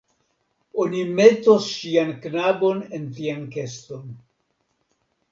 Oni metos ŝian knabon en tian keston.